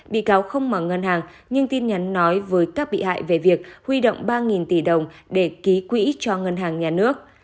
bị cáo không mở ngân hàng nhưng tin nhắn nói với các bị hại về việc huy động ba tỷ đồng để ký quỹ cho ngân hàng nhà nước